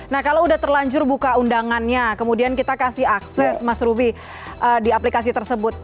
nah kalau udah terlanjur buka undangannya kemudian kita kasih akses mas ruby di aplikasi tersebut